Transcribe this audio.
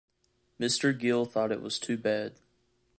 Mr. Gill thought it was too bad.